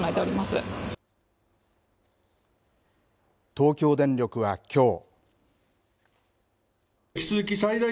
東京電力は、きょう。